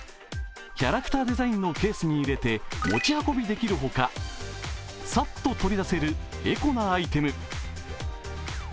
キャラクターデザインのケースに入れて持ち運びできるほかさっと取り出せるエコなアイテム。